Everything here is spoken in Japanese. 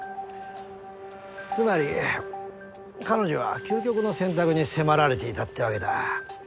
つまり彼女は究極の選択に迫られていたってわけだ。